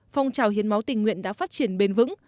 phong trào hiến máu tình nguyện đã phát triển bền vững